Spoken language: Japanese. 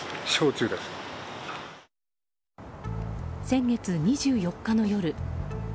先月２４日の夜。